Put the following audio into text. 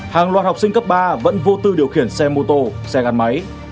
hàng loạt học sinh cấp ba vẫn vô tư điều khiển xe mô tô xe gắn máy